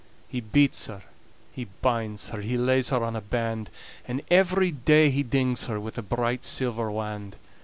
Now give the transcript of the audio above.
He beats her, he binds her, He lays her on a band; And every day he dings her With a bright silver wand.